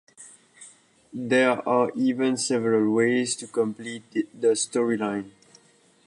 There are even several ways to complete the storyline.